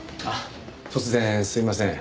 突然すいません。